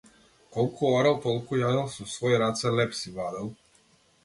Колку орал толку јадел, со свои раце леб си вадел.